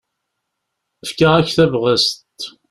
Fkiɣ-ak tabɣest.